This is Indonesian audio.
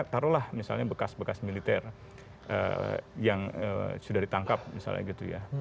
taruhlah misalnya bekas bekas militer yang sudah ditangkap misalnya gitu ya